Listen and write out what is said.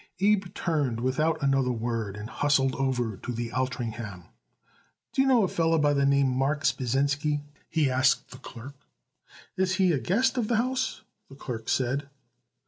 Abe turned without another word and hustled over to the Altringham. "Do you know a feller by the name Marks Pasinsky?" he asked the clerk. "Is he a guest of the house?" the clerk said.